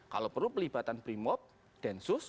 kalau perlu pelibatan brimwop dan sus